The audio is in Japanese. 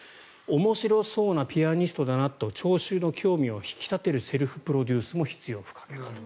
面白そうなピアニストだなと聴衆の興味を引き立てるセルフプロデュースも必要不可欠と。